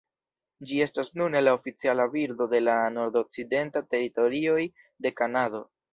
Ĝi estas nune la oficiala birdo de la Nordokcidentaj Teritorioj de Kanado.